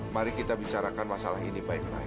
mari kita bicarakan masalah ini baik baik